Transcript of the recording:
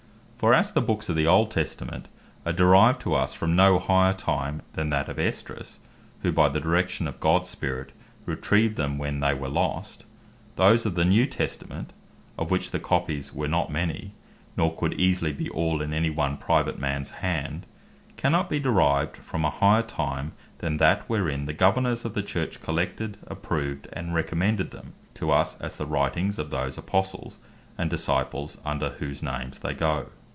For, as the Bookes of the Old Testament are derived to us, from no higher time then that of Esdras, who by the direction of Gods Spirit retrived them, when they were lost: Those of the New Testament, of which the copies were not many, nor could easily be all in any one private mans hand, cannot bee derived from a higher time, that that wherein the Governours of the Church collected, approved, and recommended them to us, as the writings of those Apostles and Disciples; under whose names they go.